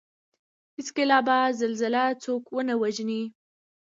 هېڅکله به زلزله څوک ونه وژني